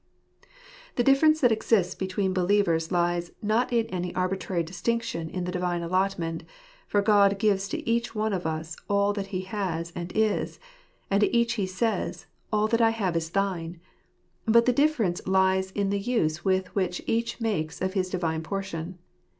The difference that exists between believers lies, not in any arbitrary distinction in the Divine allotment, for God gives to each one of us all that He has and is ; and to each He says, "All that I have is thine." But the difference lies in the use which each makes of his divine portion.